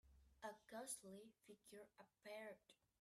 A ghostly figure appeared.